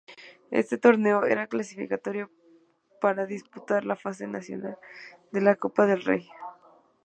Este torneo era clasificatorio para disputar la fase nacional de la Copa del Rey.